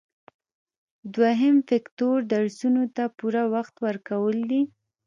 دوهم فکتور درسونو ته پوره وخت ورکول دي.